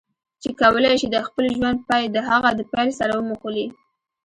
چې کولای شي د خپل ژوند پای د هغه د پیل سره وموښلوي.